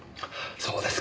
そうですか。